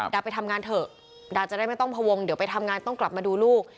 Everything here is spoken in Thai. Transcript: ไปทำงานเถอะดาจะได้ไม่ต้องพวงเดี๋ยวไปทำงานต้องกลับมาดูลูก